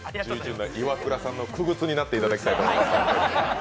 イワクラさんのくぐつになっていただきたいと思います。